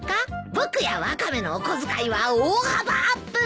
僕やワカメのお小遣いは大幅アップ！